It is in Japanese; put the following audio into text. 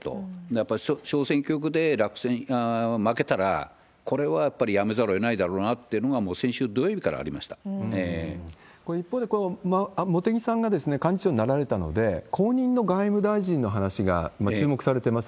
やっぱり小選挙区で負けたら、これはやっぱりやめざるをえないだろうなってのが、もう先週土曜一方で、茂木さんが幹事長になられたので、後任の外務大臣の話が注目されてます。